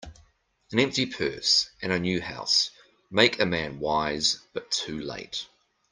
An empty purse, and a new house, make a man wise, but too late.